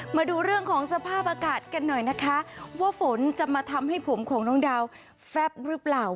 มาดูเรื่องของสภาพอากาศกันหน่อยนะคะว่าฝนจะมาทำให้ผมของน้องดาวแฟบหรือเปล่า